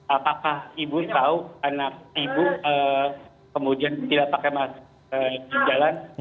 apakah ibu tahu anak ibu kemudian tidak pakai masker di jalan